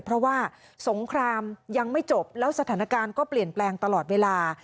เพราะว่าสงครามยังไม่จบแล้วสถานการณ์ก็เปลี่ยนแปลงตลอดเวลา